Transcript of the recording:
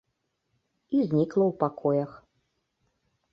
І знікла ў пакоях.